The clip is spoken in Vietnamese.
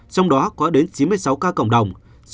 trong đó có đến chín mươi sáu ca cộng đồng